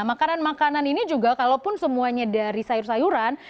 makanan makanan ini juga kalaupun semuanya dari sayur sayuran